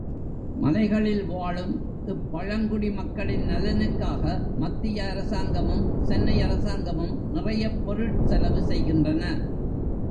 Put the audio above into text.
மலைகளில் வாழும் இப் பழங்குடி மக்களின் நலனுக்காக, மத்திய அரசாங்கமும், சென்னை அரசாங்கமும் நிறையப் பொருட் செலவு செய்கின்றன.